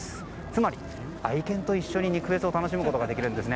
つまり愛犬と一緒に肉フェスを楽しむことができるんです。